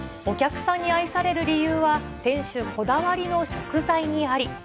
お客さんに愛される理由は、店主こだわりの食材にあり。